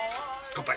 乾杯。